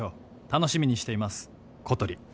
「楽しみにしています小鳥」